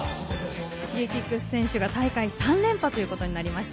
Ｓｈｉｇｅｋｉｘ選手が大会３連覇となりました。